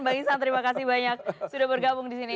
bang iksan terima kasih banyak sudah bergabung di sini